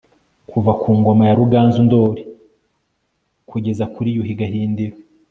kuva ku ngoma ya ruganzu ndori kugeza kuri yuhi gahindiro